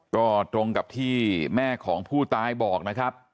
ก็ตรงกับที่แม่ของผู้ตายบอกนะครับ